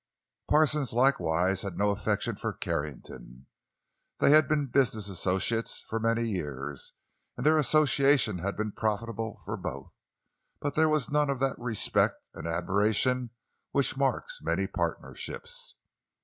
Parsons likewise had no affection for Carrington. They had been business associates for many years, and their association had been profitable for both; but there was none of that respect and admiration which marks many partnerships.